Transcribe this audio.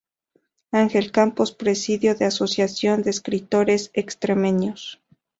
Ángel Campos presidió la Asociación de Escritores Extremeños.